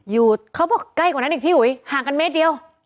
เขาบอกใกล้กว่านั้นอีกพี่อุ๋ยห่างกันเมตรเดียว